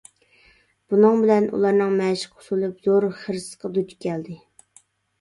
بۇنىڭ بىلەن ئۇلارنىڭ مەشىق ئۇسۇلى زور خىرىسقا دۇچ كەلدى.